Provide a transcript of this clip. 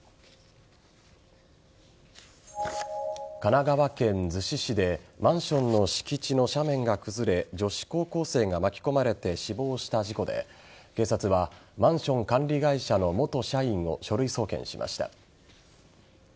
神奈川県逗子市でマンションの敷地の斜面が崩れ女子高校生が巻き込まれて死亡した事故で警察はマンション管理会社の元社員を書類送検しました。